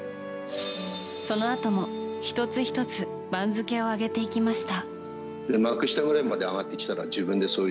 そのあとも１つ１つ番付を上げていきました。